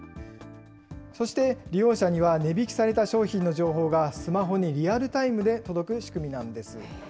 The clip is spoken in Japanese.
そして利用者には値引きされた商品の情報がスマホにリアルタイムで届く仕組みなんです。